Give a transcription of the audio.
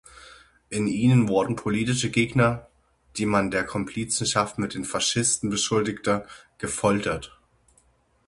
In ihnen wurden politische Gegner, die man der Komplizenschaft mit den Faschisten beschuldigte, gefoltert.